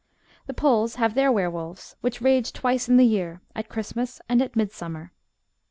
The Poles have their were wolves, which rage twice in the year — at Christmas and at midsummer.